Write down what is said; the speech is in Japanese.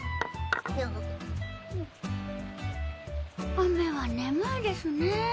雨は眠いですね。